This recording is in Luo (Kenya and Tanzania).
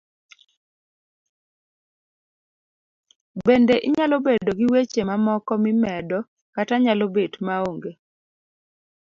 Bende inyalo bedo gi weche mamoko mimedo kata nyalo betma onge